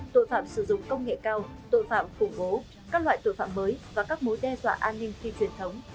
tội phạm sử dụng công nghệ cao tội phạm khủng bố các loại tội phạm mới và các mối đe dọa an ninh phi truyền thống